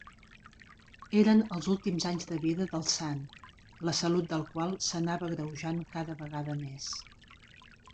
Eren els últims anys de vida del sant, la salut del qual s'anava agreujant cada vegada més.